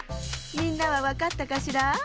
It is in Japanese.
みんなはわかったかしら？